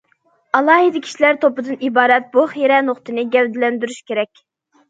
ئالاھىدە كىشىلەر توپىدىن ئىبارەت بۇ خىرە نۇقتىنى گەۋدىلەندۈرۈش كېرەك.